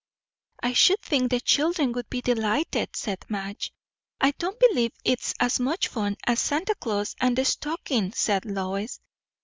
"I should think the children would be delighted," said Madge. "I don't believe it's as much fun as Santa Claus and the stocking," said Lois.